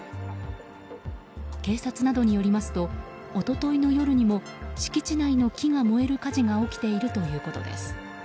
警察などによりますと一昨日の夜にも敷地内の木が燃える火事が起きているということです。